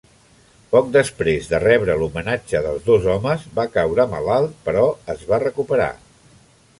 Poc després de rebre l'homenatge dels dos homes va caure malalt però es va recuperar.